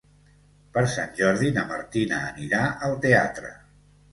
Per Sant Jordi na Martina anirà al teatre.